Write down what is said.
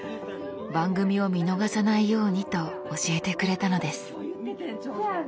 番組を見逃さないようにと教えてくれたのです。